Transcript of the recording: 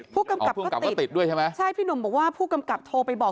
ผู้กำกับก็ติดด้วยใช่ไหมใช่พี่หนุ่มบอกว่าผู้กำกับโทรไปบอก